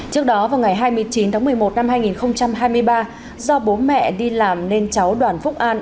trước đó vào ngày hai mươi chín tháng một mươi một năm hai nghìn hai mươi ba do bố mẹ đi làm nên cháu đoàn phúc an